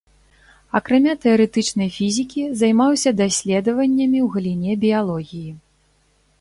Акрамя тэарэтычнай фізікі, займаўся даследаваннямі ў галіне біялогіі.